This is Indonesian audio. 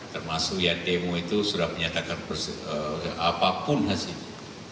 termasuk ya demo itu sudah menyatakan apapun hasilnya